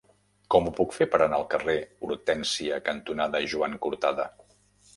Com ho puc fer per anar al carrer Hortènsia cantonada Joan Cortada?